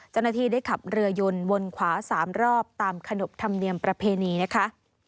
เจ้าหน้าที่ได้ขับเรือยนวนขวา๓รอบตามขนบธรรมเนียมประเพณีนะคะ